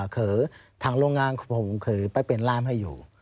คือทางโรงงานผมเคยไปเป็นร่ามให้อยู่